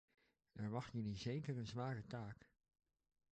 Er wacht jullie zeker een zware taak.